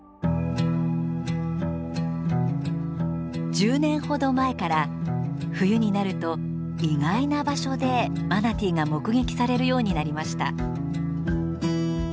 １０年ほど前から冬になると意外な場所でマナティーが目撃されるようになりました。